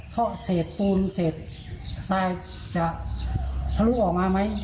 เขาเศษปูนเศษทรายจะทะลุออกมาไหม